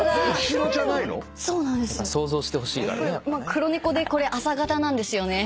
黒猫でこれあさがたなんですよね。